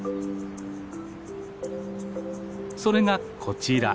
それがこちら。